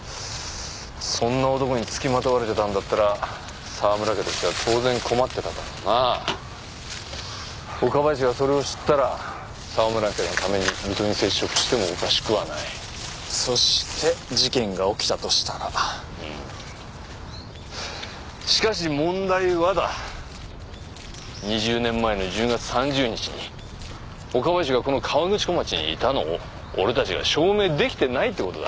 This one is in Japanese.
そんな男に付きまとわれてたんだったら沢村家としては当然困ってただろうな岡林がそれを知ったら沢村家のために水戸に接触してもおかしくはないそして事件が起きたとしたらうんしかし問題はだ２０年前の１０月３０日に岡林がこの河口湖町にいたのを俺たちが証明できてないってことだ・